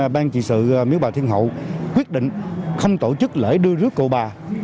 ban trị sự miếu bà thiên hậu quyết định không tổ chức lễ đưa rước cậu bà